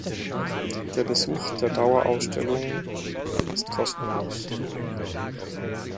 Der Besuch der Dauerausstellung ist kostenlos.